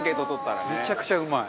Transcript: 中丸：めちゃくちゃうまい。